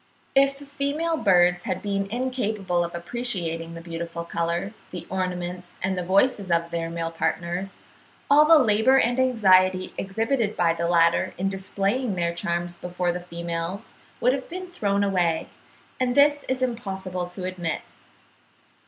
If female birds had been incapable of appreciating the beautiful colours, the ornaments, and voices of their male partners, all the labour and anxiety exhibited by the latter in displaying their charms before the females would have been thrown away; and this it is impossible to admit.